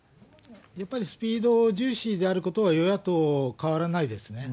やっぱりスピード重視であることは、与野党変わらないですね。